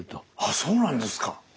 あっそうなんですか。